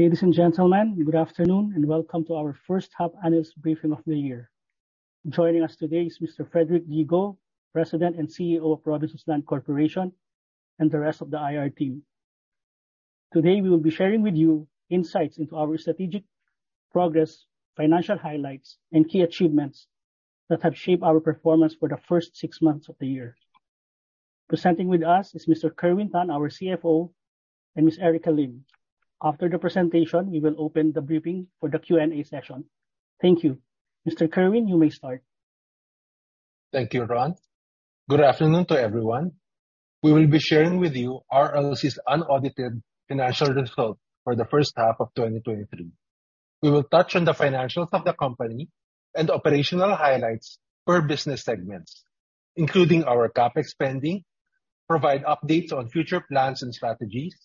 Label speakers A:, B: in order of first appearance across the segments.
A: Ladies and gentlemen, good afternoon, and welcome to our first half annual briefing of the year. Joining us today is Mr. Frederick Go, President and CEO of Robinsons Land Corporation, and the rest of the IR team. Today, we will be sharing with you insights into our strategic progress, financial highlights, and key achievements that have shaped our performance for the first six months of the year. Presenting with us is Mr. Kerwin Tan, our CFO, and Ms. Erica Lim. After the presentation, we will open the briefing for the Q&A session. Thank you. Mr. Kerwin, you may start.
B: Thank you, Ron. Good afternoon to everyone. We will be sharing with you RLC's unaudited financial results for the first half of 2023. We will touch on the financials of the company and operational highlights for business segments, including our CapEx spending, provide updates on future plans and strategies,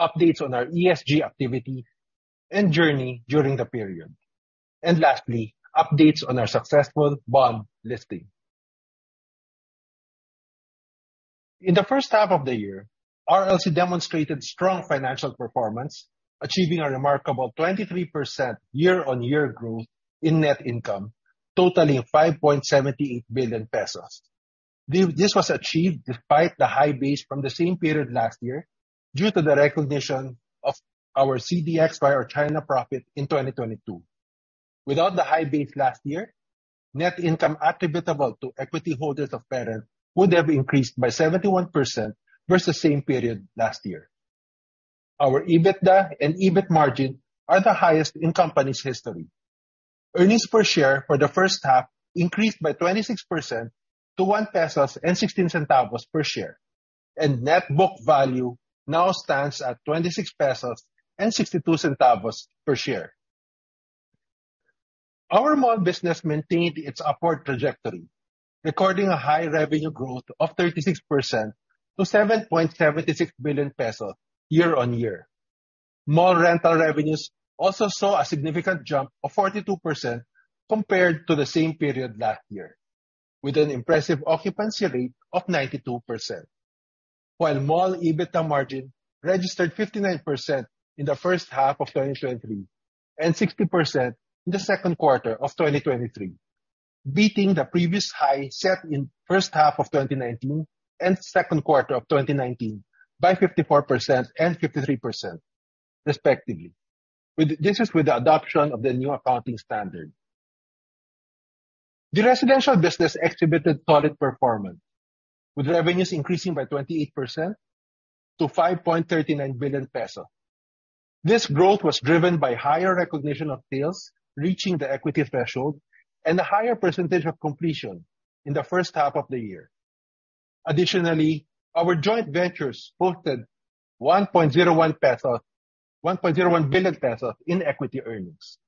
B: updates on our ESG activity and journey during the period. Lastly, updates on our successful bond listing. In the first half of the year, RLC demonstrated strong financial performance, achieving a remarkable 23% year-on-year growth in net income, totaling 5.78 billion pesos. This was achieved despite the high base from the same period last year, due to the recognition of our CDX via our China profit in 2022. Without the high base last year, net income attributable to equity holders of parent would have increased by 71% versus same period last year. Our EBITDA and EBIT margin are the highest in the company's history. Earnings per share for the first half increased by 26% to 1.16 pesos per share, and net book value now stands at 26.62 pesos per share. Our mall business maintained its upward trajectory, recording a high revenue growth of 36% year-on-year to 7.76 billion pesos. Mall rental revenues also saw a significant jump of 42% compared to the same period last year, with an impressive occupancy rate of 92%, while mall EBITDA margin registered 59% in the first half of 2023, and 60% in the second quarter of 2023, beating the previous high set in first half of 2019 and second quarter of 2019 by 54% and 53%, respectively. This is with the adoption of the new accounting standard. The residential business exhibited solid performance, with revenues increasing by 28% to 5.39 billion peso. This growth was driven by higher recognition of sales reaching the equity threshold and a higher percentage of completion in the first half of the year. Additionally, our joint ventures posted 1.01 billion pesos in equity earnings.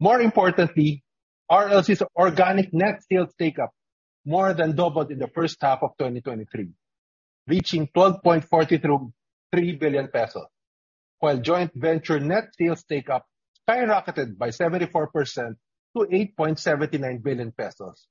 B: More importantly, RLC's organic net sales take-up more than doubled in the first half of 2023, reaching 12.43 billion pesos, while joint venture net sales take-up skyrocketed by 74% to 8.79 billion pesos.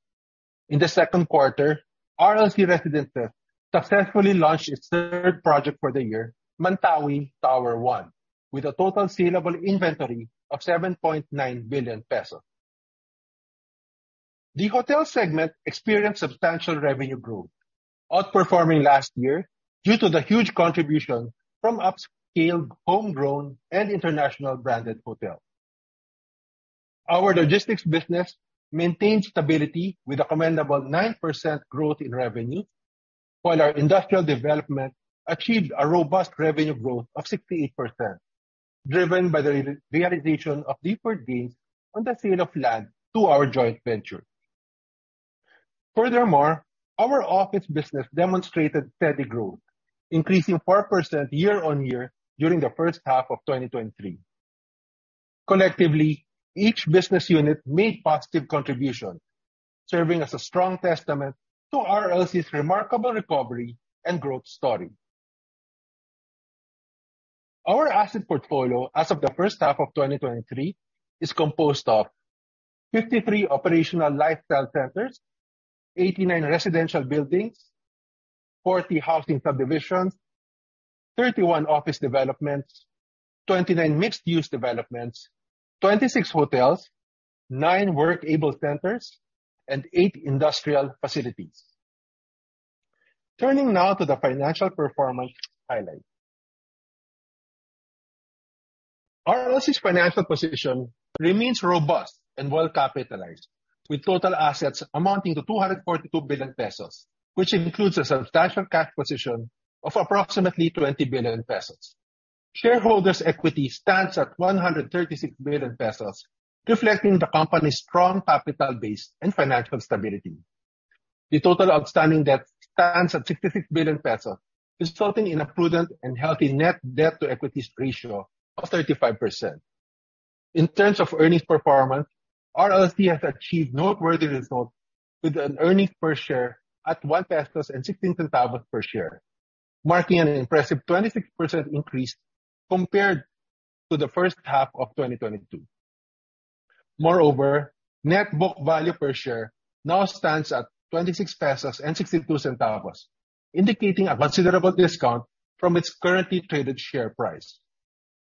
B: In the second quarter, RLC Residences successfully launched its third project for the year, Mantawi Tower 1, with a total saleable inventory of 7.9 billion pesos. The hotel segment experienced substantial revenue growth, outperforming last year due to the huge contribution from upscale homegrown and international branded hotels. Our logistics business maintained stability with a commendable 9% growth in revenue, while our industrial development achieved a robust revenue growth of 68%, driven by the realization of deferred gains on the sale of land to our joint venture. Furthermore, our office business demonstrated steady growth, increasing 4% year-on-year during the first half of 2023. Collectively, each business unit made positive contribution, serving as a strong testament to RLC's remarkable recovery and growth story. Our asset portfolio as of the first half of 2023 is composed of 53 operational lifestyle centers, 89 residential buildings, 40 housing subdivisions, 31 office developments, 29 mixed-use developments, 26 hotels, nine work.able centers, and eight industrial facilities. Turning now to the financial performance highlights. RLC's financial position remains robust and well capitalized, with total assets amounting to 242 billion pesos, which includes a substantial cash position of approximately 20 billion pesos. Shareholders' equity stands at 136 billion pesos, reflecting the company's strong capital base and financial stability. The total outstanding debt stands at 66 billion pesos, resulting in a prudent and healthy net debt-to-equity ratio of 35%. In terms of earnings performance, RLC has achieved noteworthy results with an earnings per share at 1.16 pesos, marking an impressive 26% increase compared to the first half of 2022. Moreover, net book value per share now stands at 26.62 pesos, indicating a considerable discount from its currently traded share price.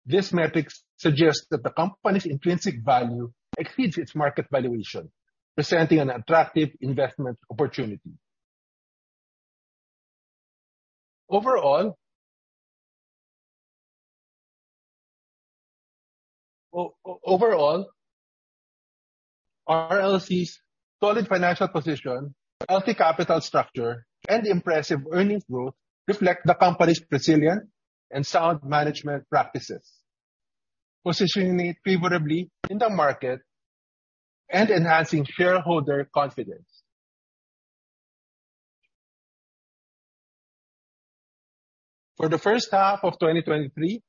B: This metric suggests that the company's intrinsic value exceeds its market valuation, presenting an attractive investment opportunity. Overall, RLC's solid financial position, healthy capital structure, and impressive earnings growth reflect the company's resilient and sound management practices, positioning it favorably in the market and enhancing shareholder confidence. For the first half of 2023,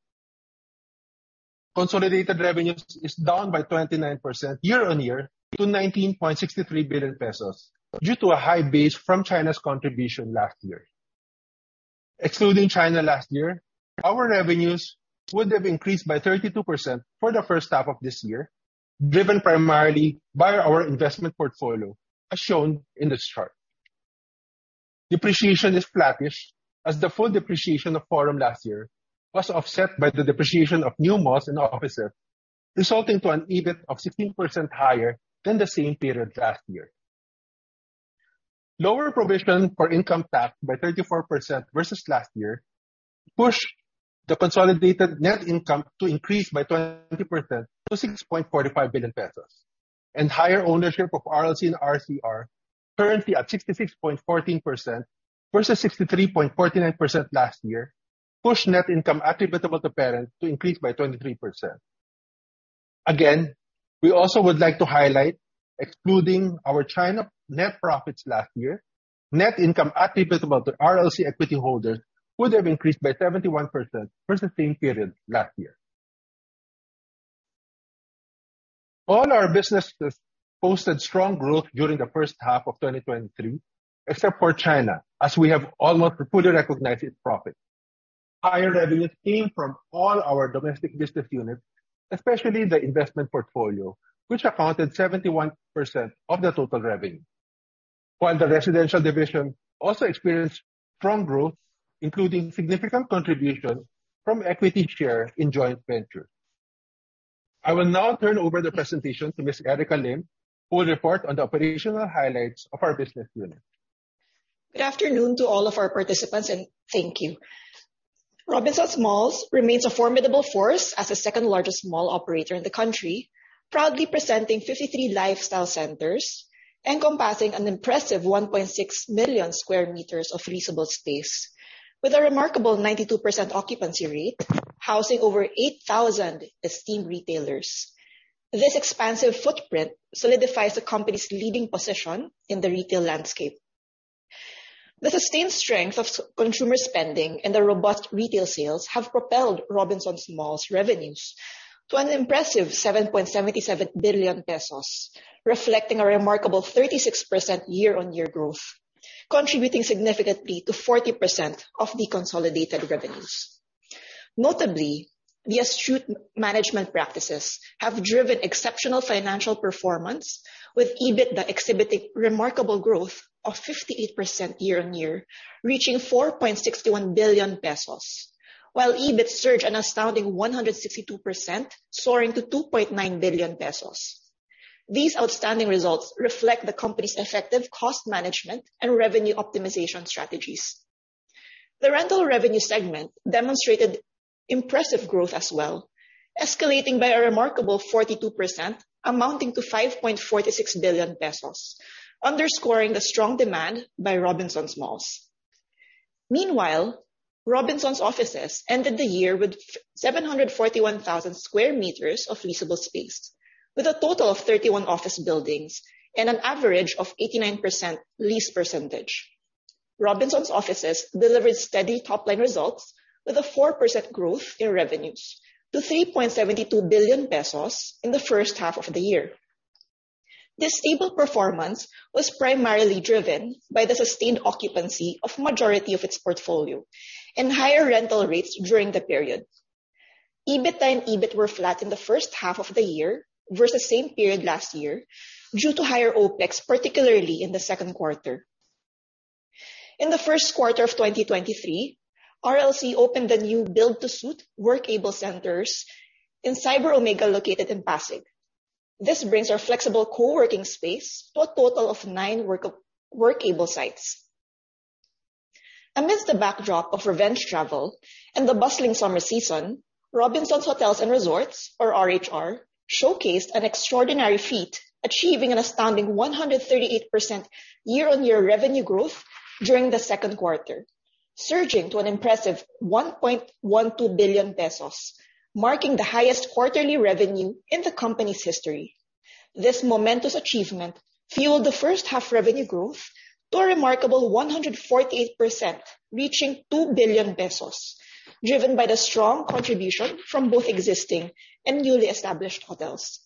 B: consolidated revenues is down by 29% year-on-year to 19.63 billion pesos, due to a high base from China's contribution last year. Excluding China last year, our revenues would have increased by 32% for the first half of this year, driven primarily by our investment portfolio, as shown in this chart. Depreciation is flattish, as the full depreciation of Forum last year was offset by the depreciation of new malls and offices, resulting to an EBIT of 16% higher than the same period last year. Lower provision for income tax by 34% versus last year pushed the consolidated net income to increase by 20% to 6.45 billion pesos. Higher ownership of RLC and RCR, currently at 66.14% versus 63.49% last year, pushed net income attributable to parent to increase by 23%. We also would like to highlight, excluding our China net profits last year, net income attributable to RLC equity holders would have increased by 71% versus same period last year. All our businesses posted strong growth during the first half of 2023, except for China, as we have almost fully recognized its profit. Higher revenues came from all our domestic business units, especially the investment portfolio, which accounted 71% of the total revenue. While the residential division also experienced strong growth, including significant contribution from equity share in joint venture. I will now turn over the presentation to Ms. Erica Lim, who will report on the operational highlights of our business unit.
C: Good afternoon to all of our participants, and thank you. Robinsons Malls remains a formidable force as the second-largest mall operator in the country, proudly presenting 53 lifestyle centers encompassing an impressive 1.6 million sq m of leasable space with a remarkable 92% occupancy rate, housing over 8,000 esteemed retailers. This expansive footprint solidifies the company's leading position in the retail landscape. The sustained strength of consumer spending and the robust retail sales have propelled Robinsons Malls' revenues to an impressive 7.77 billion pesos, reflecting a remarkable 36% year-on-year growth, contributing significantly to 40% of the consolidated revenues. Notably, the astute management practices have driven exceptional financial performance, with EBITDA exhibiting remarkable growth of 58% year-on-year, reaching 4.61 billion pesos. While EBIT surged an astounding 162%, soaring to 2.9 billion pesos. These outstanding results reflect the company's effective cost management and revenue optimization strategies. The rental revenue segment demonstrated impressive growth as well, escalating by a remarkable 42%, amounting to 5.46 billion pesos, underscoring the strong demand by Robinsons Malls. Meanwhile, Robinsons Offices ended the year with 741,000 sq m of leasable space, with a total of 31 office buildings and an average of 89% lease percentage. Robinsons Offices delivered steady top-line results with a 4% growth in revenues to 3.72 billion pesos in the first half of the year. This stable performance was primarily driven by the sustained occupancy of majority of its portfolio and higher rental rates during the period. EBITDA and EBIT were flat in the first half of the year versus same period last year due to higher OPEX, particularly in the second quarter. In the first quarter of 2023, RLC opened a new build-to-suit work.able centers in Cyber Omega, located in Pasig. This brings our flexible co-working space to a total of nine work.able sites. Amidst the backdrop of revenge travel and the bustling summer season, Robinsons Hotels and Resorts, or RHR, showcased an extraordinary feat, achieving an astounding 138% year-on-year revenue growth during the second quarter, surging to an impressive 1.12 billion pesos, marking the highest quarterly revenue in the company's history. This momentous achievement fueled the first half revenue growth to a remarkable 148%, reaching 2 billion pesos, driven by the strong contribution from both existing and newly established hotels.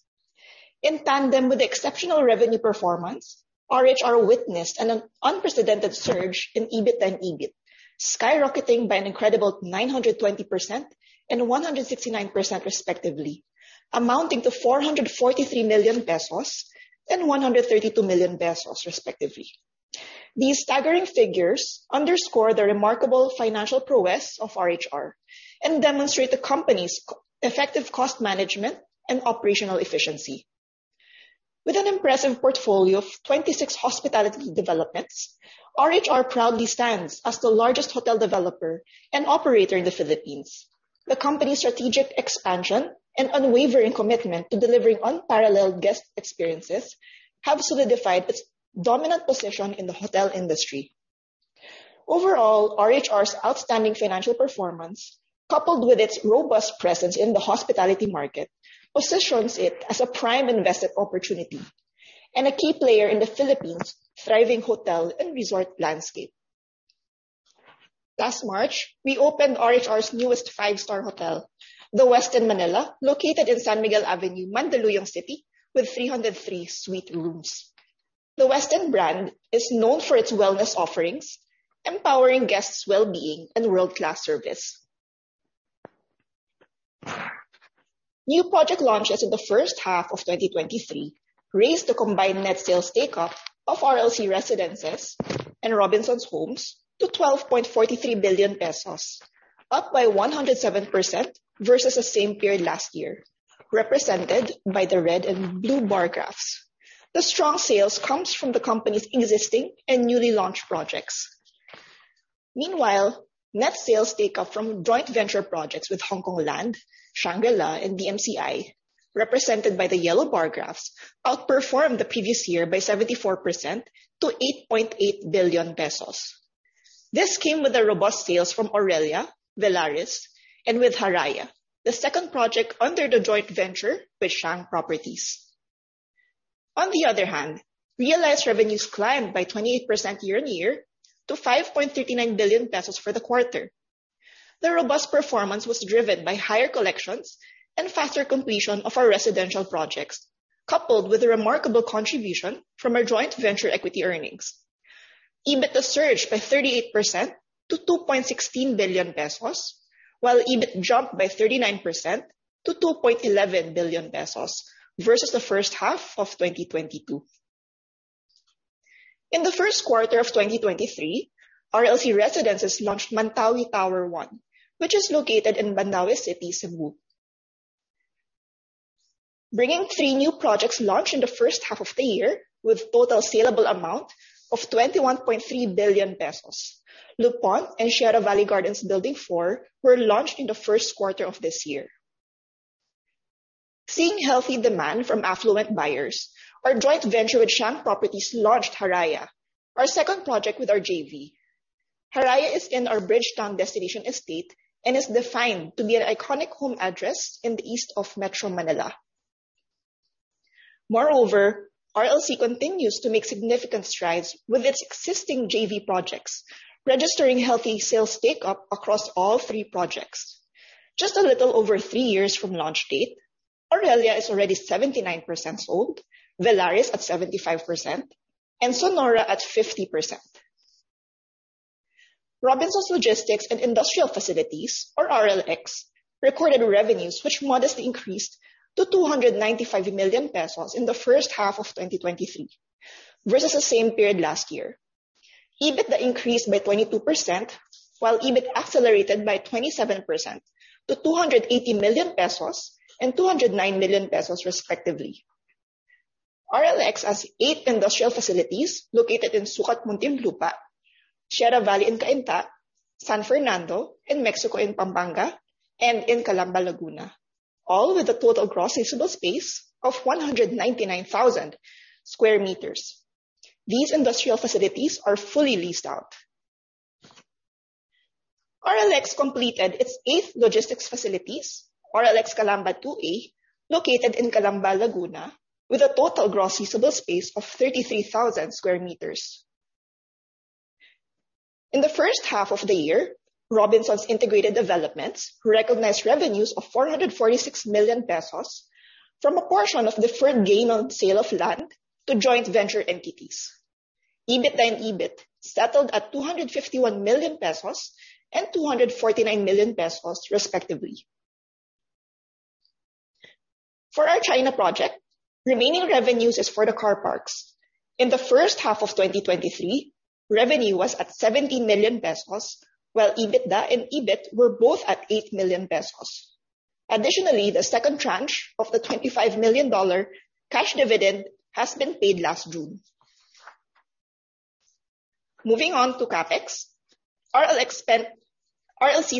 C: In tandem with the exceptional revenue performance, RHR witnessed an unprecedented surge in EBITDA and EBIT, skyrocketing by an incredible 920% and 169%, respectively, amounting to 443 million pesos and 132 million pesos, respectively. These staggering figures underscore the remarkable financial prowess of RHR and demonstrate the company's effective cost management and operational efficiency. With an impressive portfolio of 26 hospitality developments, RHR proudly stands as the largest hotel developer and operator in the Philippines. The company's strategic expansion and unwavering commitment to delivering unparalleled guest experiences have solidified its dominant position in the hotel industry. Overall, RHR's outstanding financial performance, coupled with its robust presence in the hospitality market, positions it as a prime investment opportunity and a key player in the Philippines' thriving hotel and resort landscape. Last March, we opened RHR's newest five-star hotel, The Westin Manila, located in San Miguel Avenue, Mandaluyong City, with 303 suite rooms. The Westin brand is known for its wellness offerings, empowering guests' wellbeing and world-class service. New project launches in the first half of 2023 raised the combined net sales take-up of RLC Residences and Robinsons Homes to 12.43 billion pesos, up by 107% versus the same period last year, represented by the red and blue bar graphs. The strong sales comes from the company's existing and newly launched projects. Meanwhile, net sales take-up from joint venture projects with Hongkong Land, Shangri-La, and DMCI, represented by the yellow bar graphs, outperformed the previous year by 74% to 8.8 billion pesos. This came with the robust sales from Aurelia, Velaris, and with Haraya, the second project under the joint venture with Shang Properties. On the other hand, realized revenues climbed by 28% year-on-year to 5.39 billion pesos for the quarter. The robust performance was driven by higher collections and faster completion of our residential projects, coupled with a remarkable contribution from our joint venture equity earnings. EBITDA surged by 38% to 2.16 billion pesos, while EBIT jumped by 39% to 2.11 billion pesos versus the first half of 2022. In the first quarter of 2023, RLC Residences launched Mantawi Tower 1, which is located in Mandaue City, Cebu, bringing three new projects launched in the first half of the year with total saleable amount of 21.3 billion pesos. Le Pont and Sierra Valley Gardens Building 4 were launched in the first quarter of this year. Seeing healthy demand from affluent buyers, our joint venture with Shang Properties launched Haraya, our second project with our JV. Haraya is in our Bridgetowne destination estate and is destined to be an iconic home address in the east of Metro Manila. Moreover, RLC continues to make significant strides with its existing JV projects, registering healthy sales take-up across all three projects. Just a little over three years from launch date, Aurelia is already 79% sold, Velaris at 75%, and Sonora at 50%. Robinsons Logistics and Industrial Facilities, or RLX, recorded revenues which modestly increased to 295 million pesos in the first half of 2023 versus the same period last year. EBITDA increased by 22%, while EBIT accelerated by 27% to 280 million pesos and 209 million pesos, respectively. RLX has eight industrial facilities located in Sucat, Muntinlupa, Sierra Valley in Cainta, San Fernando, and Mexico in Pampanga, and in Calamba, Laguna, all with a total gross leasable space of 199,000 sq m. These industrial facilities are fully leased out. RLX completed its eighth logistics facilities, RLX Calamba 2A, located in Calamba, Laguna, with a total gross leasable space of 33,000 sq m. In the first half of the year, Robinsons Integrated Developments recognized revenues of 446 million pesos from a portion of deferred gain on sale of land to joint venture entities. EBITDA and EBIT settled at 251 million pesos and 249 million pesos, respectively. For our China project, remaining revenues is for the car parks. In the first half of 2023, revenue was at 17 million pesos, while EBITDA and EBIT were both at 8 million pesos. Additionally, the second tranche of the $25 million cash dividend has been paid last June. Moving on to CapEx. RLC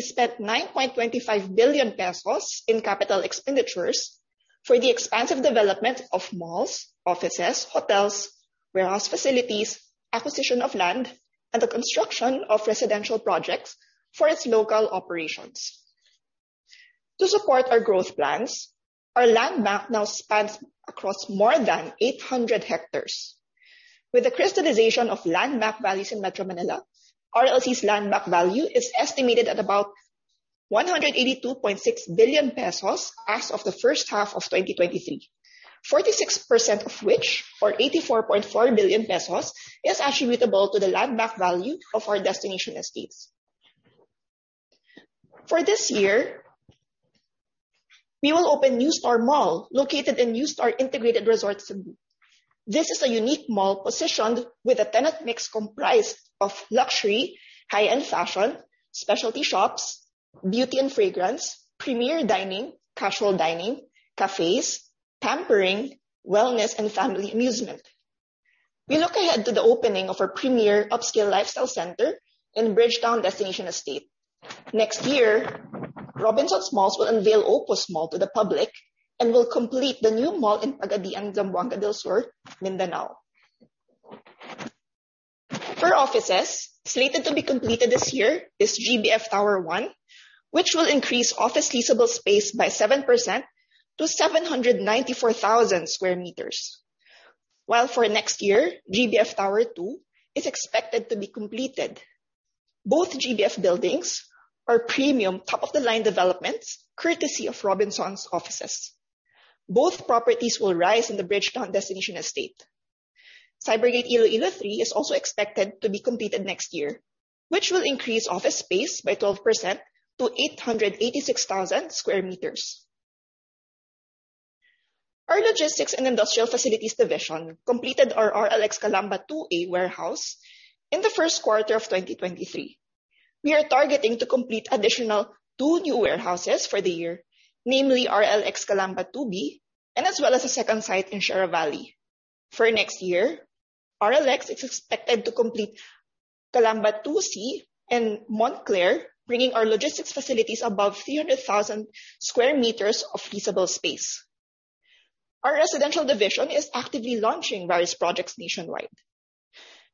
C: spent 9.25 billion pesos in capital expenditures for the expansive development of malls, offices, hotels, warehouse facilities, acquisition of land, and the construction of residential projects for its local operations. To support our growth plans, our land bank now spans across more than 800 hectares. With the crystallization of land bank values in Metro Manila, RLC's land bank value is estimated at about 182.6 billion pesos as of the first half of 2023, 46% of which, or 84.4 billion pesos, is attributable to the land bank value of our destination estates. For this year, we will open NUSTAR mall located in NUSTAR Integrated Resort, Cebu. This is a unique mall positioned with a tenant mix comprised of luxury, high-end fashion, specialty shops, beauty and fragrance, premier dining, casual dining, cafes, pampering, wellness, and family amusement. We look ahead to the opening of our premier upscale lifestyle center in Bridgetowne Destination Estate. Next year, Robinsons Malls will unveil Opus Mall to the public and will complete the new mall in Pagadian Zamboanga del Sur, Mindanao. For offices, slated to be completed this year is GBF Tower 1 which will increase office leasable space by 7% to 794,000 sq m. While for next year, GBF Tower 2 is expected to be completed. Both GBF buildings are premium top-of-the-line developments courtesy of Robinsons Offices. Both properties will rise in the Bridgetowne Destination Estate. Cybergate Iloilo 3 is also expected to be completed next year, which will increase office space by 12% to 886,000 sq m. Our logistics and industrial facilities division completed our RLX Calamba 2A warehouse in the first quarter of 2023. We are targeting to complete additional two new warehouses for the year, namely RLX Calamba 2B and as well as a second site in Sierra Valley. For next year, RLX is expected to complete RLX Calamba 2C and Montclair, bringing our logistics facilities above 300,000 sq m of leasable space. Our residential division is actively launching various projects nationwide.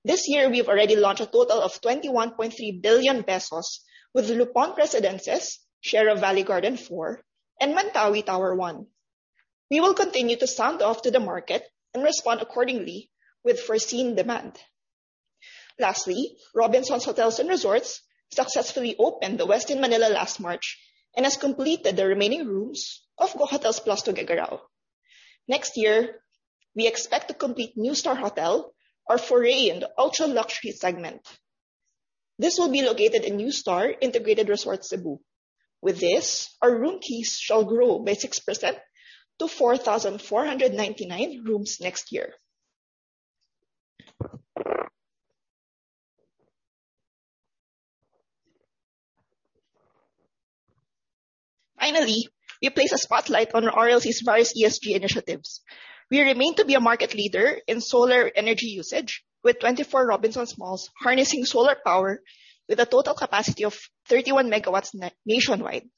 C: This year, we've already launched a total of 21.3 billion pesos with Le Pont Residences, Sierra Valley Gardens Building 4, and Mantawi Tower 1. We will continue to sound off to the market and respond accordingly with foreseen demand. Lastly, Robinsons Hotels and Resorts successfully opened The Westin Manila last March and has completed the remaining rooms of Go Hotels Plus Tuguegarao. Next year, we expect to complete NUSTAR Hotel, our foray in the ultra-luxury segment. This will be located in NUSTAR Integrated Resort Cebu. With this, our room keys shall grow by 6% to 4,499 rooms next year. Finally, we place a spotlight on RLC's various ESG initiatives. We remain to be a market leader in solar energy usage with 24 Robinsons Malls harnessing solar power with a total capacity of 31 MW nationwide.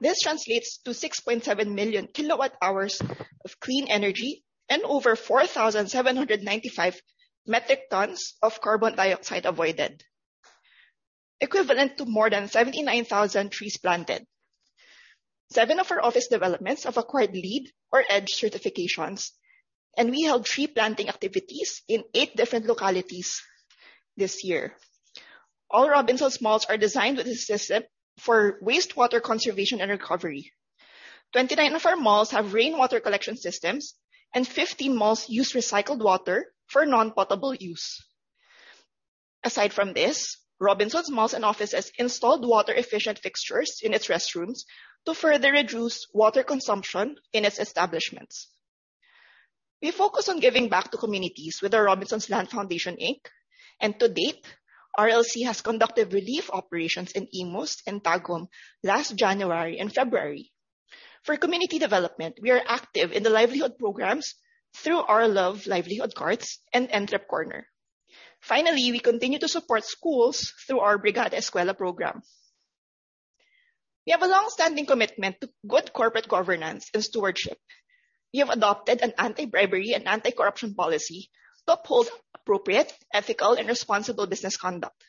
C: This translates to 6.7 million kWh of clean energy and over 4,795 metric tons of carbon dioxide avoided, equivalent to more than 79,000 trees planted. Seven of our office developments have acquired LEED or EDGE certifications, and we held tree planting activities in eight different localities this year. All Robinsons Malls are designed with a system for wastewater conservation and recovery. 29 of our malls have rainwater collection systems, and 15 malls use recycled water for non-potable use. Aside from this, Robinsons Malls and Offices installed water-efficient fixtures in its restrooms to further reduce water consumption in its establishments. We focus on giving back to communities with the Robinsons Land Foundation, Inc. To date, RLC has conducted relief operations in Imus and Tagum last January and February. For community development, we are active in the livelihood programs through our LOVE livelihood carts and Entrep Corner. Finally, we continue to support schools through our Brigada Eskwela program. We have a long-standing commitment to good corporate governance and stewardship. We have adopted an anti-bribery and anti-corruption policy to uphold appropriate, ethical, and responsible business conduct.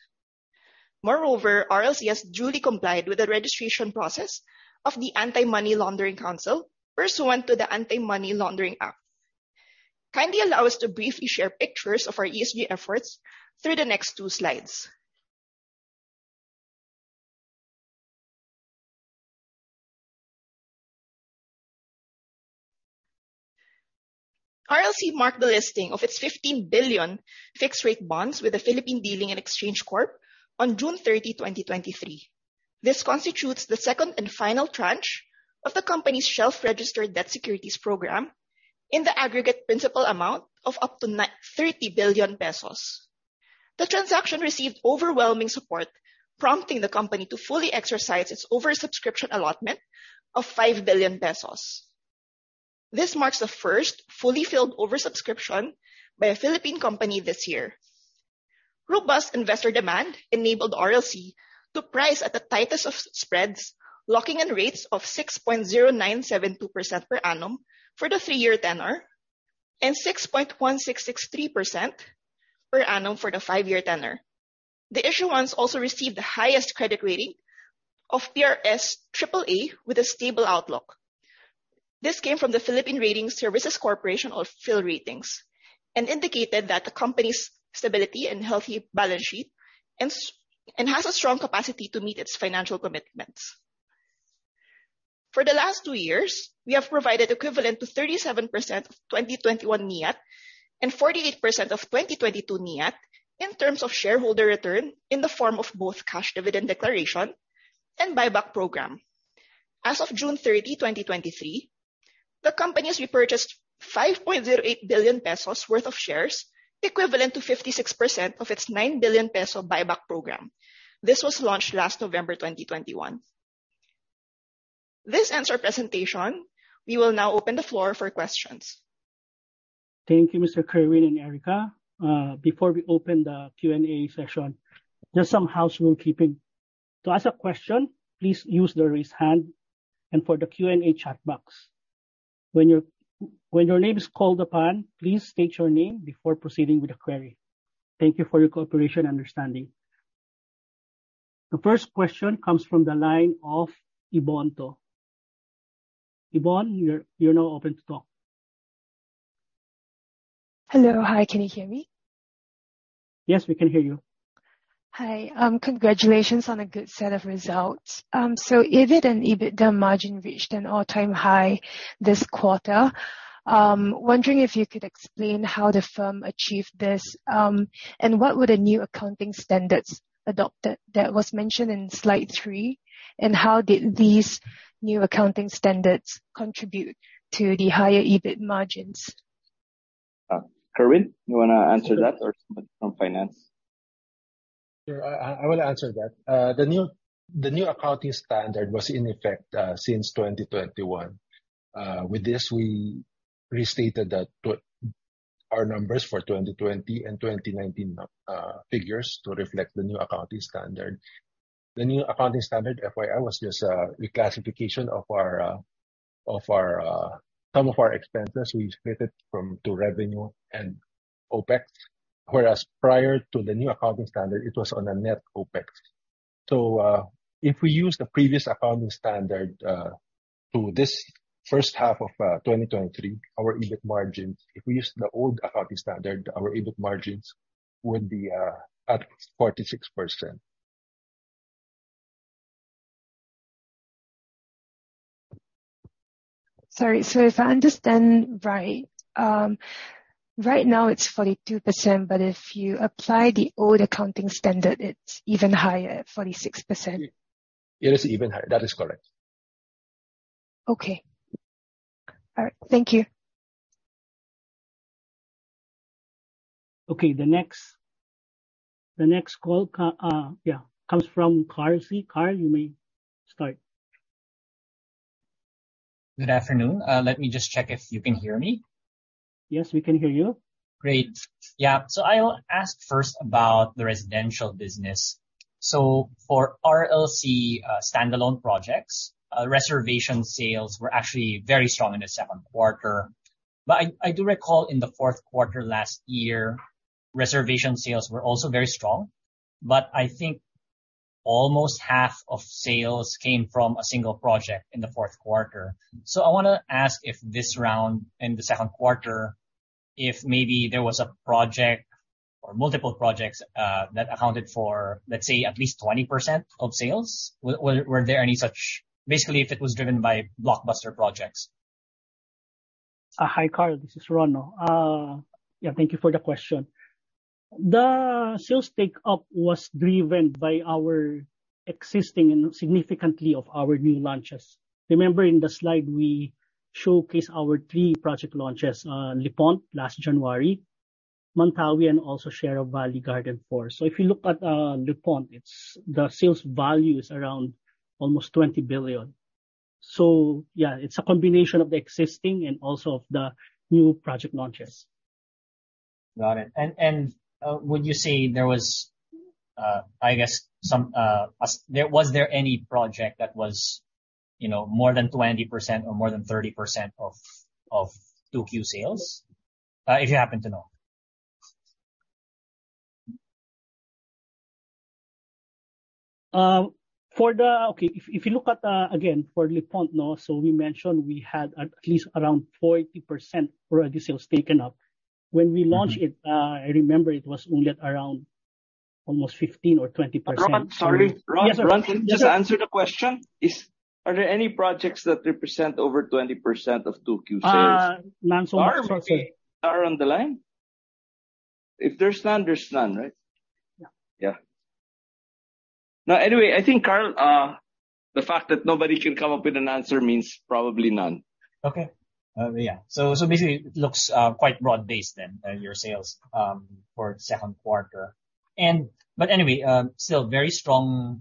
C: Moreover, RLC has duly complied with the registration process of the Anti-Money Laundering Council pursuant to the Anti-Money Laundering Act. Kindly allow us to briefly share pictures of our ESG efforts through the next two slides. RLC marked the listing of its 15 billion fixed-rate bonds with the Philippine Dealing & Exchange Corp. on June 30, 2023. This constitutes the second and final tranche of the company's shelf-registered debt securities program in the aggregate principal amount of up to 30 billion pesos. The transaction received overwhelming support, prompting the company to fully exercise its oversubscription allotment of 5 billion pesos. This marks the first fully filled oversubscription by a Philippine company this year. Robust investor demand enabled RLC to price at the tightest of spreads, locking in rates of 6.0972% per annum for the three-year tenor and 6.1663% per annum for the five-year tenor. The issuance also received the highest credit rating of PRS AAA with a stable outlook. This came from the Philippine Rating Services Corporation, or PhilRatings, and indicated that the company's stability and healthy balance sheet and has a strong capacity to meet its financial commitments. For the last two years, we have provided equivalent to 37% of 2021 NIAT and 48% of 2022 NIAT in terms of shareholder return in the form of both cash dividend declaration and buyback program. As of June 30, 2023, the company has repurchased 5.08 billion pesos worth of shares, equivalent to 56% of its 9 billion peso buyback program. This was launched last November 2021. This ends our presentation. We will now open the floor for questions.
A: Thank you, Mr. Kerwin and Erica. Before we open the Q&A session, just some housekeeping. To ask a question, please use the raise hand or for the Q&A chat box. When your name is called upon, please state your name before proceeding with the query. Thank you for your cooperation and understanding. The first question comes from the line of Yvonne To. Yvonne, you're now open to talk.
D: Hello. Hi, can you hear me?
A: Yes, we can hear you.
D: Hi. Congratulations on a good set of results. EBIT and EBITDA margin reached an all-time high this quarter. Wondering if you could explain how the firm achieved this, and what would a new accounting standards adopted that was mentioned in slide three, and how did these new accounting standards contribute to the higher EBIT margins?
A: Kerwin, you want to answer that or somebody from finance?
B: Sure, I will answer that. The new accounting standard was in effect since 2021. With this, we restated our numbers for 2020 and 2019 figures to reflect the new accounting standard. The new accounting standard, FYI, was just a reclassification of some of our expenses, we split it to revenue and OPEX, whereas prior to the new accounting standard, it was on a net OPEX. If we use the previous accounting standard, to this first half of 2023, our EBIT margins, if we use the old accounting standard, our EBIT margins would be at 46%.
D: Sorry. If I understand right now it's 42%, but if you apply the old accounting standard, it's even higher at 46%.
B: It is even higher. That is correct.
D: Okay. All right. Thank you.
A: Okay, the next call comes from Carl Sy. Carl, you may start.
E: Good afternoon. Let me just check if you can hear me.
A: Yes, we can hear you.
E: Great. Yeah. I'll ask first about the residential business. For RLC standalone projects, reservation sales were actually very strong in the second quarter. I do recall in the fourth quarter last year, reservation sales were also very strong. I think almost half of sales came from a single project in the fourth quarter. I want to ask if this round in the second quarter, if maybe there was a project or multiple projects that accounted for, let's say, at least 20% of sales. Were there any such? Basically, if it was driven by blockbuster projects.
A: Hi, Carl, this is Ron. Yeah, thank you for the question. The sales take-up was driven by our existing and significantly of our new launches. Remember, in the slide we showcased our three project launches, Le Pont Residences last January, Mantawi and also Sierra Valley Gardens 4. If you look at Le Pont Residences, the sales value is around almost 20 billion. Yeah, it's a combination of the existing and also of the new project launches.
E: Got it. Would you say there was any project that was more than 20% or more than 30% of 2Q sales? If you happen to know.
A: If you look at, again, for Le Pont so we mentioned we had at least around 40% already sales taken up. When we launched it, I remember it was only at around almost 15% or 20%.
B: Sorry, Ron.
A: Yes, sir.
E: Can you just answer the question? Are there any projects that represent over 20% of 2Q sales?
A: None so much.
F: Are on the line? If there's none, there's none, right?
A: Yeah.
F: Yeah. No, anyway, I think, Carl, the fact that nobody can come up with an answer means probably none.
E: Okay. Yeah. Basically, it looks quite broad-based then, your sales for the second quarter. Anyway, still very strong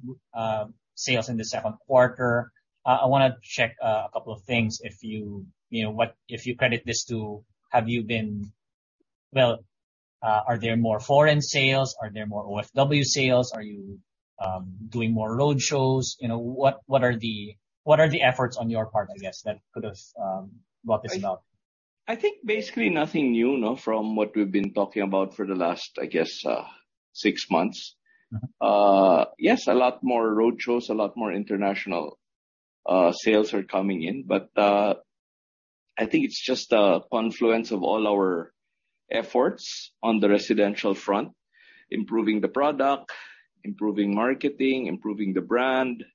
E: sales in the second quarter. I want to check a couple of things if you credit this to. Are there more foreign sales? Are there more OFW sales? Are you doing more road shows? What are the efforts on your part, I guess, that could have brought this about?
F: I think basically nothing new from what we've been talking about for the last, I guess, six months.
E: Mm-hmm.
F: Yes, a lot more road shows, a lot more international sales are coming in. I think it's just a confluence of all our efforts on the residential front, improving the product, improving marketing, improving the brand,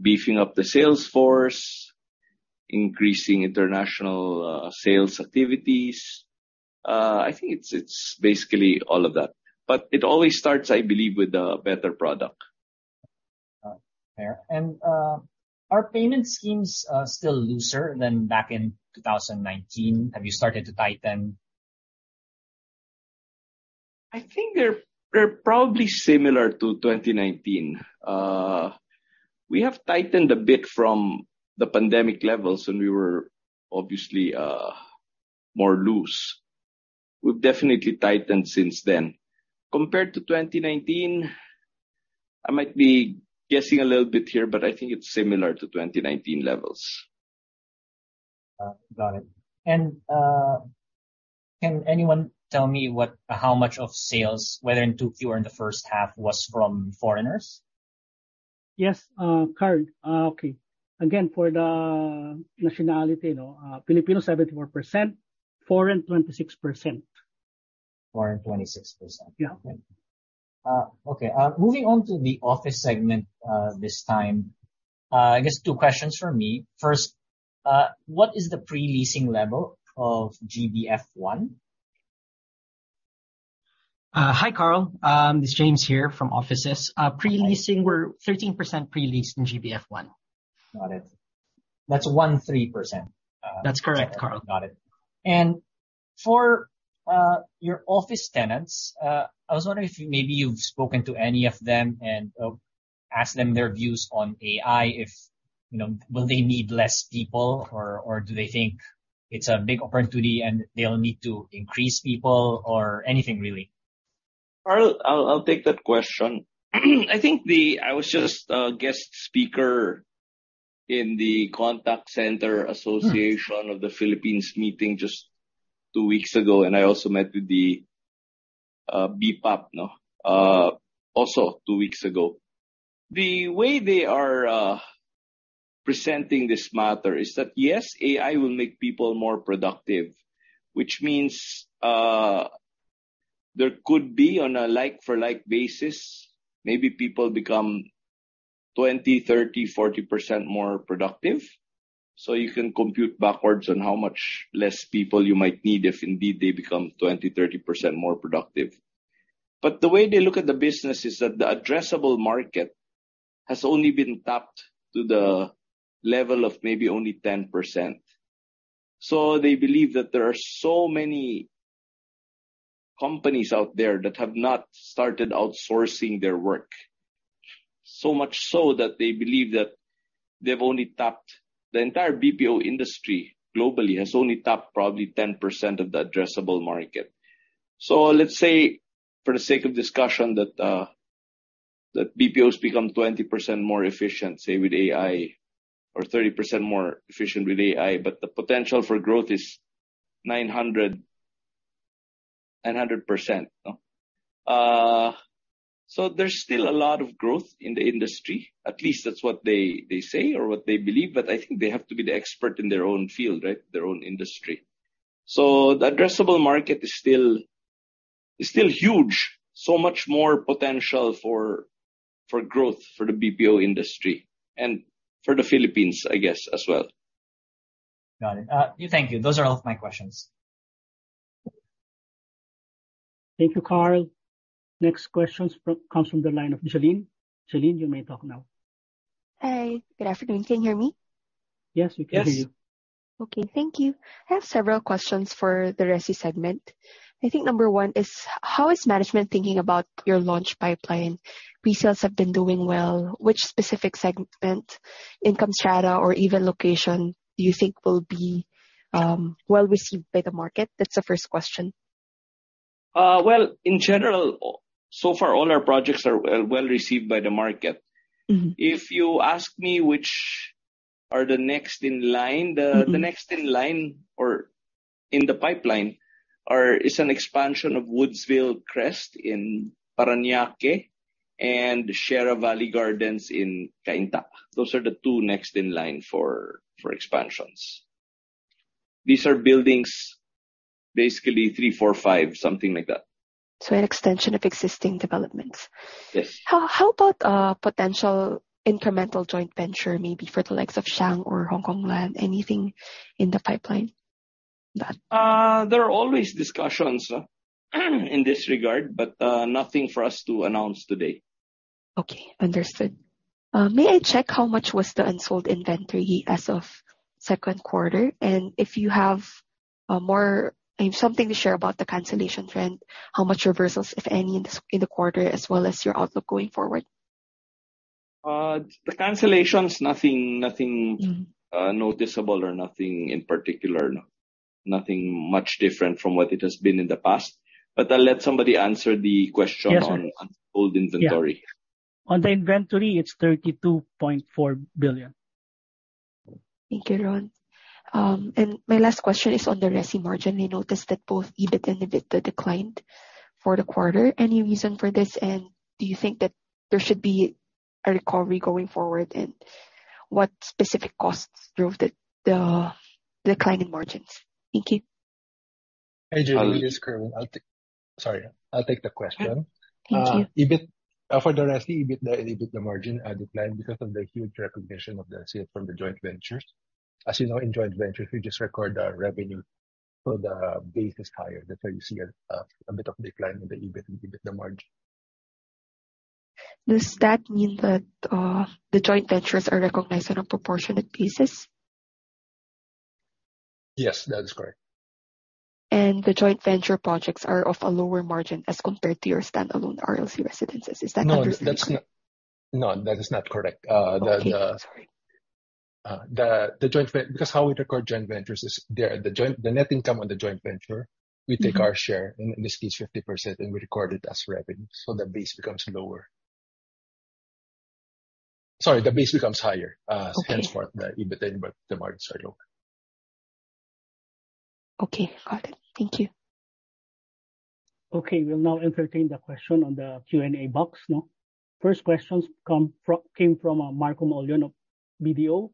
F: beefing up the sales force, increasing international sales activities. I think it's basically all of that. It always starts, I believe, with a better product.
E: All right, fair. Are payment schemes still looser than back in 2019? Have you started to tighten?
F: I think they're probably similar to 2019. We have tightened a bit from the pandemic levels when we were obviously more loose. We've definitely tightened since then. Compared to 2019, I might be guessing a little bit here, but I think it's similar to 2019 levels.
E: Got it. Can anyone tell me how much of sales, whether in 2Q or in the first half, was from foreigners?
A: Yes, Carl. Okay. Again, for the nationality, Filipino 74%, foreign 26%.
E: Foreign 26%.
A: Yeah.
E: Okay. Moving on to the office segment this time. I guess two questions from me. First, what is the pre-leasing level of GBF 1?
G: Hi, Carl. This is James here from Offices. Pre-leasing, we're 13% pre-leased in GBF 1.
E: Got it. That's 13%?
G: That's correct, Carl.
E: Got it. For your office tenants, I was wondering if maybe you've spoken to any of them and asked them their views on AI, will they need less people or do they think it's a big opportunity and they'll need to increase people or anything really?
F: Carl, I'll take that question. I was just a guest speaker in the Contact Center Association of the Philippines meeting just two weeks ago, and I also met with the BPAP, also two weeks ago. The way they are presenting this matter is that, yes, AI will make people more productive, which means there could be on a like for like basis, maybe people become 20%, 30%, 40% more productive. You can compute backwards on how much less people you might need if indeed they become 20%, 30% more productive. The way they look at the business is that the addressable market has only been tapped to the level of maybe only 10%. They believe that there are so many companies out there that have not started outsourcing their work. Much so that they believe that the entire BPO industry globally has only tapped probably 10% of the addressable market. Let's say for the sake of discussion that BPOs become 20% more efficient, say with AI, or 30% more efficient with AI, but the potential for growth is 900%. There's still a lot of growth in the industry, at least that's what they say or what they believe, but I think they have to be the expert in their own field, their own industry. The addressable market is still huge, so much more potential for growth for the BPO industry and for the Philippines, I guess, as well.
E: Got it. Thank you. Those are all of my questions.
A: Thank you, Carl. Next question comes from the line of Jolene. Jolene, you may talk now.
H: Hi. Good afternoon. Can you hear me?
A: Yes, we can hear you.
H: Okay, thank you. I have several questions for the resi segment. I think number one is, how is management thinking about your launch pipeline? Pre-sales have been doing well. Which specific segment, income strata, or even location do you think will be well received by the market? That's the first question.
F: Well, in general, so far all our projects are well received by the market.
H: Mm-hmm.
F: If you ask me which are the next in line, the next in line or in the pipeline is an expansion of Woodsville Crest in Paraňaque and Sierra Valley Gardens in Cainta. Those are the two next in line for expansions. These are buildings, basically 3, 4, 5, something like that.
H: An extension of existing developments.
F: Yes.
H: How about potential incremental joint venture, maybe for the likes of Shang or Hongkong Land? Anything in the pipeline on that?
F: There are always discussions in this regard, but nothing for us to announce today.
H: Okay. Understood. May I check how much was the unsold inventory as of second quarter? If you have something to share about the cancellation trend, how much reversals, if any, in the quarter as well as your outlook going forward?
F: The cancellation's nothing noticeable or nothing in particular. Nothing much different from what it has been in the past. I'll let somebody answer the question on unsold inventory.
A: On the inventory, it's 32.4 billion.
H: Thank you, Ron. My last question is on the resi margin. I noticed that both EBIT and EBITDA declined for the quarter. Any reason for this, and do you think that there should be a recovery going forward, and what specific costs drove the declining margins? Thank you.
B: Hi, Jolene. It's Kerwin. Sorry. I'll take the question.
H: Thank you.
B: For the Resi, EBIT, the margin declined because of the huge recognition of the sales from the joint ventures. As you know, in joint ventures, we just record our revenue, so the base is higher. That's why you see a bit of decline in the EBIT and EBIT margin.
H: Does that mean that the joint ventures are recognized on a proportionate basis?
B: Yes, that is correct.
H: The joint venture projects are of a lower margin as compared to your standalone RLC Residences. Is that understood correctly?
B: No, that is not correct.
H: Okay. Sorry.
B: Because how we record joint ventures is the net income on the joint venture...
H: Mm-hmm
B: ...we take our share, and in this case, 50%, and we record it as revenue. That base becomes lower. Sorry, the base becomes higher.
H: Okay
B: Hence why the EBIT and the margins are low.
H: Okay, got it. Thank you.
A: Okay, we'll now entertain the question on the Q&A box. First question came from Marco Mauleon of BDO.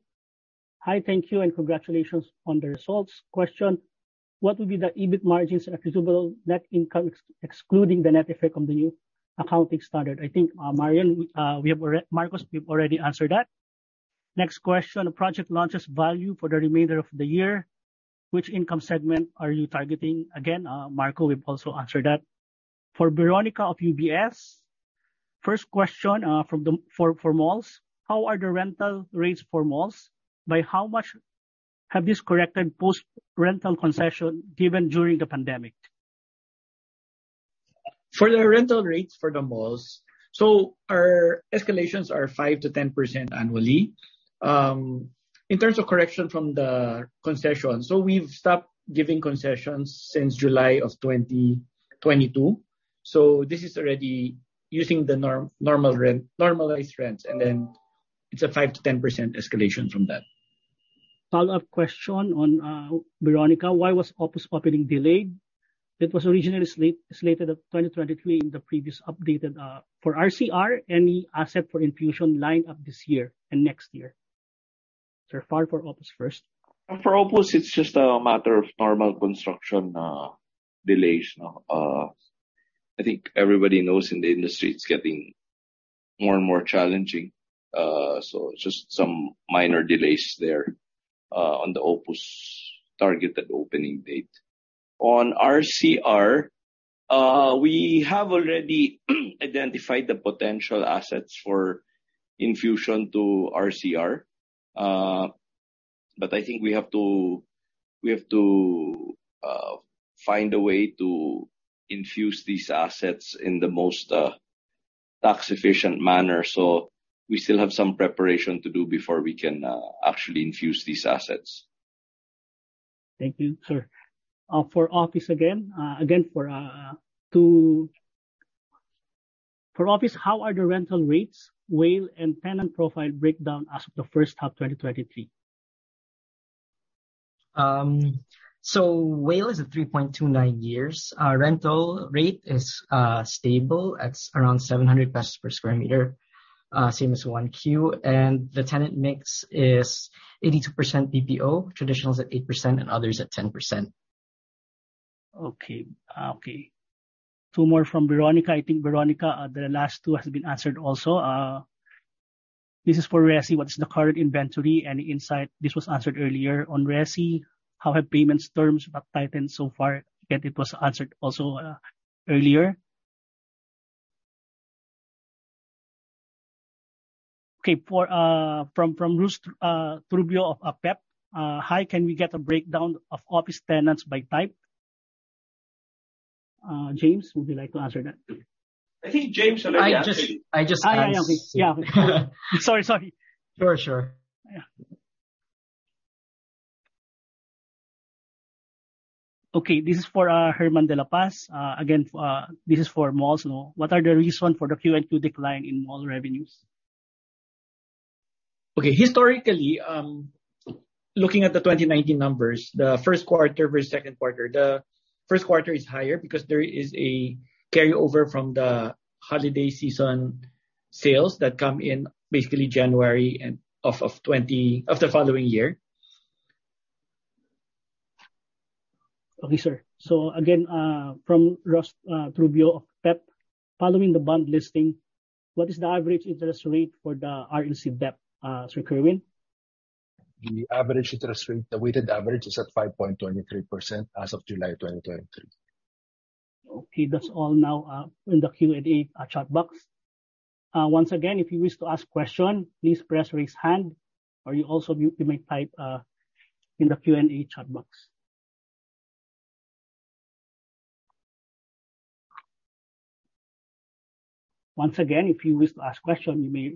A: "Hi, thank you and congratulations on the results. Question, what will be the EBIT margins and attributable net income excluding the net effect of the new accounting standard?" I think, Marco, we've already answered that. Next question, "Project launches value for the remainder of the year, which income segment are you targeting?" Again, Marco, we've also answered that. For Veronica of UBS, first question for malls. "How are the rental rates for malls? By how much have you corrected post-rental concession given during the pandemic?
I: For the rental rates for the malls, so our escalations are 5%-10% annually in terms of correction from the concessions. We've stopped giving concessions since July of 2022. This is already using the normalized rents, and then it's a 5%-10% escalation from that.
A: Follow-up question on Veronica. "Why was Opus opening delayed? It was originally slated for 2023 in the previous update. For RCR, any asset for infusion lined up this year and next year?" Sir Far, for Opus first.
I: For Opus, it's just a matter of normal construction delays. I think everybody knows in the industry it's getting more and more challenging. Just some minor delays there on the Opus targeted opening date. On RCR, we have already identified the potential assets for infusion to RCR. I think we have to find a way to infuse these assets in the most tax-efficient manner. We still have some preparation to do before we can actually infuse these assets.
A: Thank you, sir. For office, how are the rental rates, WALE, and tenant profile breakdown as of the first half 2023?
G: WALE is at 3.29 years. Our rental rate is stable at around 700 pesos per sq m, same as 1Q, and the tenant mix is 82% BPO, traditionals at 8%, and others at 10%.
A: Okay. Two more from Veronica. I think, Veronica, the last two has been answered also. This is for Resi. "What is the current inventory? Any insight?" This was answered earlier. On Resi, "How have payments terms got tightened so far?" Again, it was answered also earlier. Okay. From Russ Toribio of PNB. "Hi, can we get a breakdown of office tenants by type?" James, would you like to answer that?
F: I think James already answered.
G: I just answered.
A: Yeah. Sorry.
G: Sure.
A: Okay, this is for Herman Dela Paz. Again, this is for malls. "What are the reasons for the Q-on-Q decline in malls revenues?
I: Okay. Historically, looking at the 2019 numbers, the first quarter versus second quarter. The first quarter is higher because there is a carryover from the holiday season sales that come in basically January of the following year.
A: Okay, sir. Again, from Russ Toribio of PNB. "Following the bond listing, what is the average interest rate for the RLC debt?" Sir Kerwin?
B: The average interest rate, the weighted average, is at 5.23% as of July 2023.
A: Okay, that's all now in the Q&A chat box. Once again, if you wish to ask a question, please press raise hand. Or you also may type in the Q&A chat box. Once again, if you wish to ask a question, you may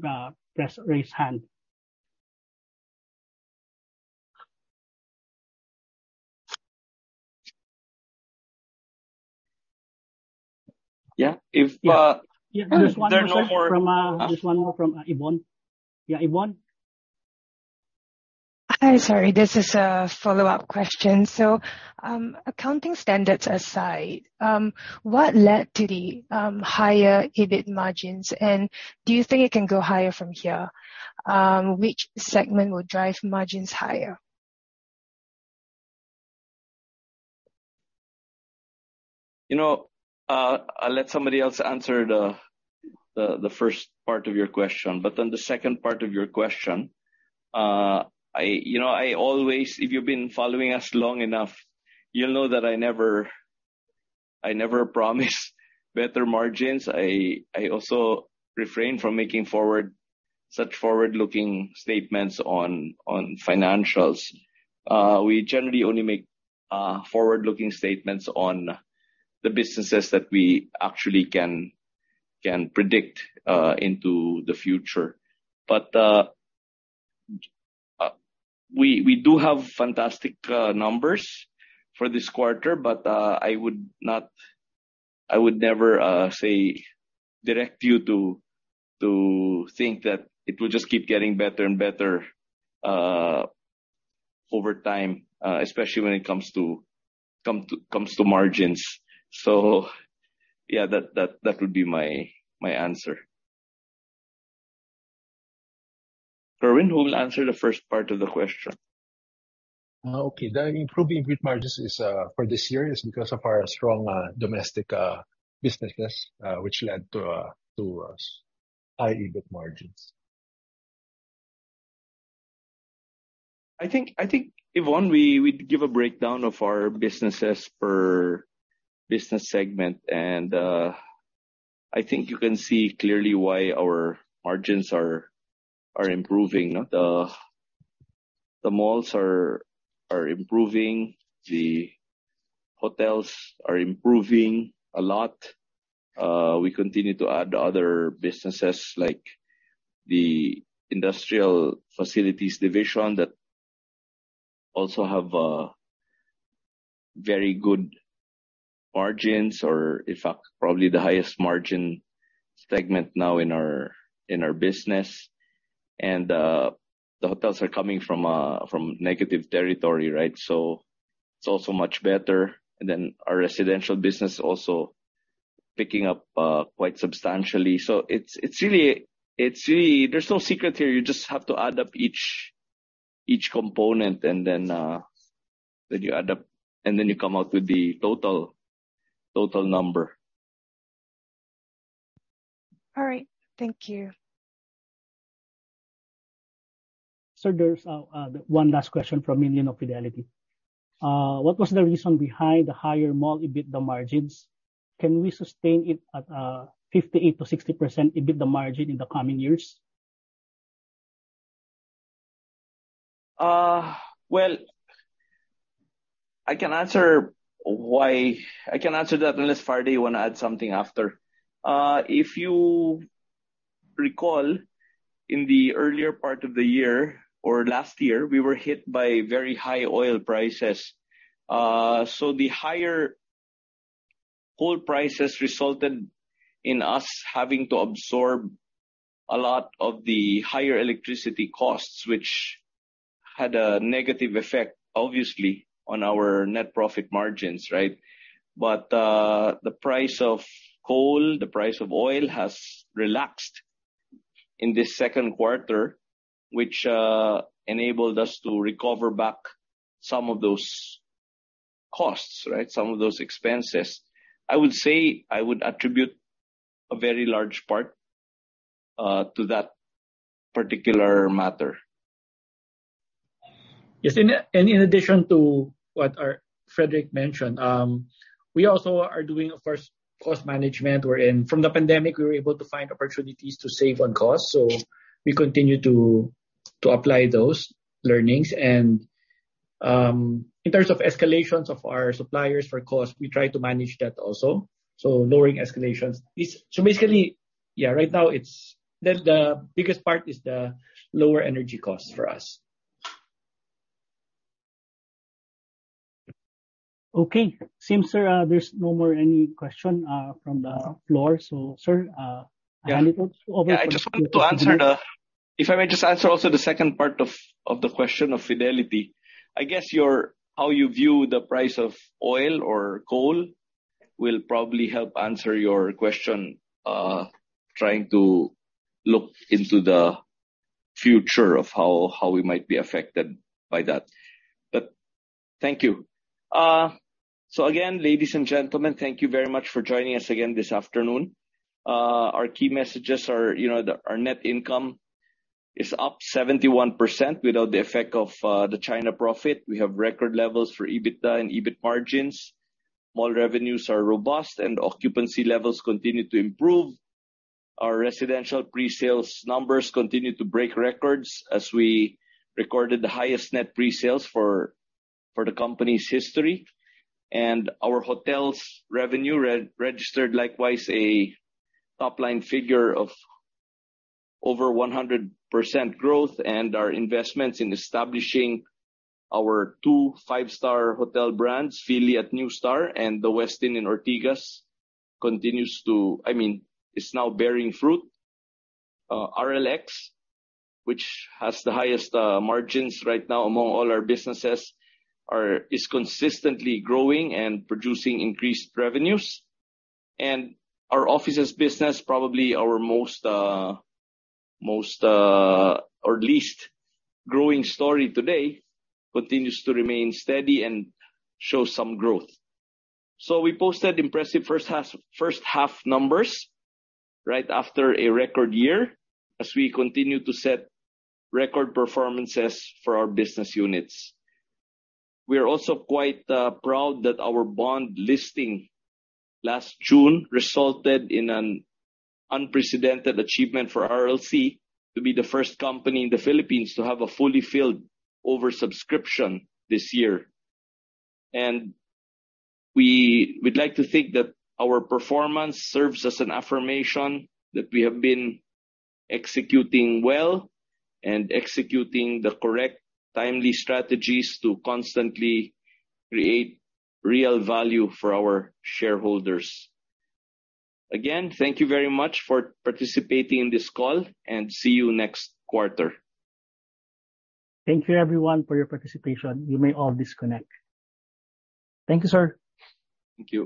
A: press raise hand.
I: Yeah. If there are no more-
A: There's one more from Yvonne. Yeah, Yvonne.
D: Hi. Sorry, this is a follow-up question. Accounting standards aside, what led to the higher EBIT margins, and do you think it can go higher from here? Which segment will drive margins higher?
F: I'll let somebody else answer the first part of your question, but on the second part of your question, if you've been following us long enough, you'll know that I never promise better margins. I also refrain from making such forward-looking statements on financials. We generally only make forward-looking statements on the businesses that we actually can predict into the future. We do have fantastic numbers for this quarter, but I would never direct you to think that it will just keep getting better and better over time, especially when it comes to margins. Yeah, that would be my answer. Kerwin, who will answer the first part of the question?
B: Okay. The improving EBIT margins for this year is because of our strong domestic businesses, which led to high EBIT margins.
F: I think, Yvonne, we'd give a breakdown of our businesses per business segment, and I think you can see clearly why our margins are improving. The malls are improving, the hotels are improving a lot. We continue to add other businesses, like the industrial facilities division, that also have very good margins or, in fact, probably the highest margin segment now in our business. The hotels are coming from negative territory, so it's also much better. Our residential business also picking up quite substantially. There's no secret here. You just have to add up each component, and then you come out with the total number.
D: All right. Thank you.
A: Sir, there's one last question from Leon of Fidelity. What was the reason behind the higher mall EBITDA margins? Can we sustain it at 58%-60% EBITDA margin in the coming years?
F: Well, I can answer that unless Faraday want to add something after. If you recall, in the earlier part of the year or last year, we were hit by very high oil prices. The higher coal prices resulted in us having to absorb a lot of the higher electricity costs, which had a negative effect, obviously, on our net profit margins, right? The price of coal, the price of oil, has relaxed in this second quarter, which enabled us to recover back some of those costs, some of those expenses. I would say, I would attribute a very large part to that particular matter.
I: Yes. In addition to what Frederick mentioned, we also are doing, of course, cost management wherein from the pandemic, we were able to find opportunities to save on costs. We continue to apply those learnings. In terms of escalations of our suppliers for cost, we try to manage that also, so lowering escalations. Basically, right now, the biggest part is the lower energy cost for us.
A: Okay. It seems, sir, there's no more any question from the floor. Sir, I hand it over to...
F: Yeah, if I may just answer also the second part of the question of Fidelity. I guess how you view the price of oil or coal will probably help answer your question, trying to look into the future of how we might be affected by that. But thank you. Again, ladies and gentlemen, thank you very much for joining us again this afternoon. Our key messages are our net income is up 71% without the effect of the China profit. We have record levels for EBITDA and EBIT margins. Mall revenues are robust, and occupancy levels continue to improve. Our residential pre-sales numbers continue to break records as we recorded the highest net pre-sales for the company's history. Our hotels revenue registered likewise a top-line figure of over 100% growth, and our investments in establishing our two five-star hotel brands, Fili at NUSTAR and The Westin Manila in Ortigas, is now bearing fruit. RLX, which has the highest margins right now among all our businesses, is consistently growing and producing increased revenues. Our offices business, probably our least growing story today, continues to remain steady and shows some growth. We posted impressive first half numbers right after a record year as we continue to set record performances for our business units. We are also quite proud that our bond listing last June resulted in an unprecedented achievement for RLC to be the first company in the Philippines to have a fully filled oversubscription this year. We'd like to think that our performance serves as an affirmation that we have been executing well and executing the correct timely strategies to constantly create real value for our shareholders. Again, thank you very much for participating in this call, and see you next quarter.
A: Thank you, everyone, for your participation. You may all disconnect. Thank you, sir.
F: Thank you.